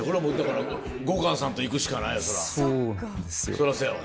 そらそうやわね。